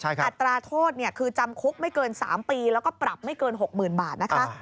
อัตราโทษคือจำคุกไม่เกิน๓ปีแล้วก็ปรับไม่เกิน๖๐๐๐บาทนะคะ